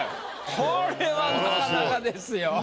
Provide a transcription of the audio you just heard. これはなかなかですよ。